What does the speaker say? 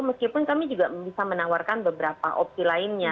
meskipun kami juga bisa menawarkan beberapa opsi lainnya